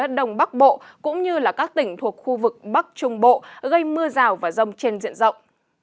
đất đông bắc bộ cũng như các tỉnh thuộc khu vực bắc trung bộ gây mưa rào và rông trên diện rộng